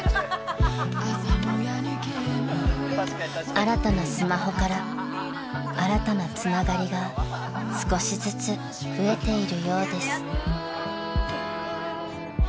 ［新たなスマホから新たなつながりが少しずつ増えているようです］